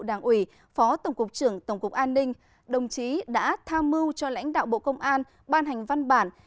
an ninh đồng chí đã tham mưu cho lãnh đạo bộ công an ban hành văn bản